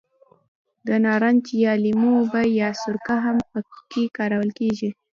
د نارنج یا لیمو اوبه یا سرکه هم په کې کارول کېږي.